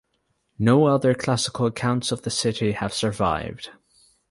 No other classical accounts of the city have survived.